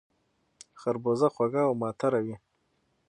خربوزه خوږه او معطره وي